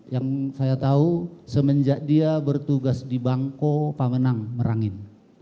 yang saya tahu semenjak dia bertugas di bangko pamenang merangin